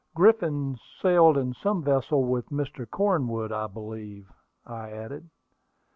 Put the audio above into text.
"Griffin sailed in some vessel with Mr. Cornwood, I believe," I added.